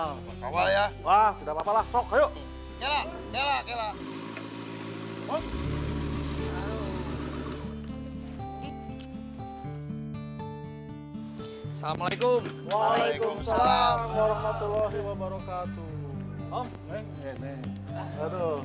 assalamualaikum waalaikumsalam warahmatullahi wabarakatuh